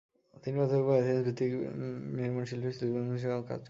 তিনি প্রাথমিকভাবে এথেন্স ভিত্তিক নির্মাণ শিল্পে, সিভিল ইঞ্জিনিয়ার হিসাবে কাজ করেন।